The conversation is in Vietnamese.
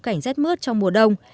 cảnh rét mướt trong mùa đông